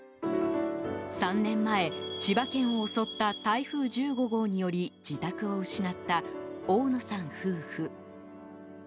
３年前、千葉県を襲った台風１５号により自宅を失った大野さん夫婦。